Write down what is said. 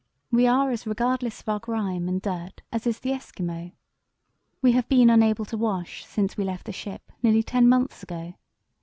We are as regardless of our grime and dirt as is the Esquimaux. We have been unable to wash since we left the ship, nearly ten months ago.